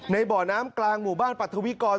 บ่อน้ำกลางหมู่บ้านปรัฐวิกร